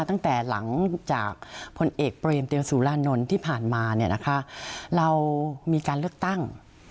แต่หลังจากพลเอกเบรมเตียงสุรานนทร์ที่ผ่านมาเรามีการเลือกตั้ง